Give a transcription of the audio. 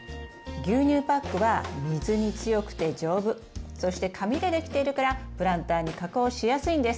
牛乳パックは水に強くて丈夫そして紙でできているからプランターに加工しやすいんです。